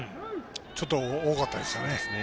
ちょっと多かったですね。